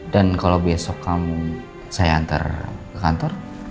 dan kalau besok kamu saya antar ke kantor